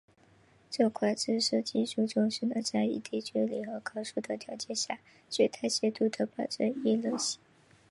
这款字设计初衷是能在一定距离和高速的条件下最大限度地保证易认性。